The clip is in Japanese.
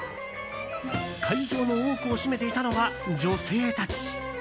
会場の多くを占めていたのは女性たち。